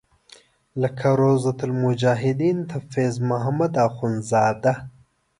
لکه روضة المجاهدین د فیض محمد اخونزاده.